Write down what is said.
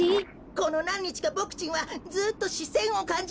このなんにちかボクちんはずっとしせんをかんじていました。